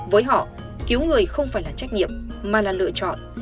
với họ cứu người không phải là trách nhiệm mà là lựa chọn